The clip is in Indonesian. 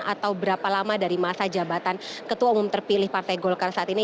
atau berapa lama dari masa jabatan ketua umum terpilih partai golkar saat ini